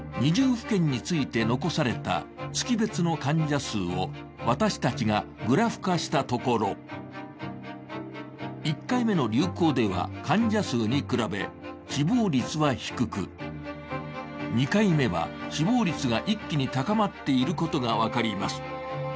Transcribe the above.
府県について残された月別の患者数を私たちがグラフ化したところ１回目の流行では患者数に比べ死亡率は低く、２回目は死亡率が一気に高まっていることが分かります。